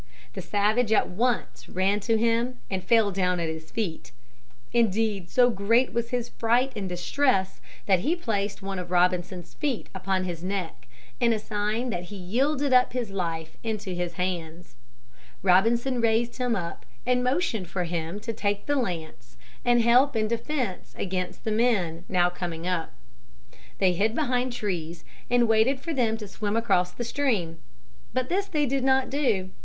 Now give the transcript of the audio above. The savage at once ran to him and fell down at his feet. Indeed so great was his fright and distress that he placed one of Robinson's feet upon his neck in sign that he yielded up his life into his hands. Robinson raised him up and motioned for him to take the lance and help in defence against the men, now coming up. They hid behind trees and waited for them to swim across the stream. But this they did not do.